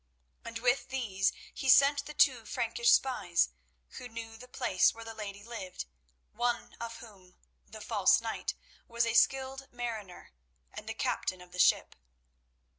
And with these he sent the two Frankish spies, who knew the place where the lady lived, one of whom, the false knight, was a skilled mariner and the captain of the ship.